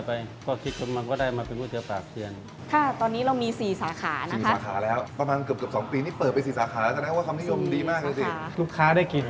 โปรดติดตามตอนต่อไป